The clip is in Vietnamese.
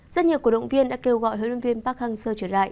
rất nhiều cổ động viên đã kêu gọi huấn luyện viên park hang seo trở lại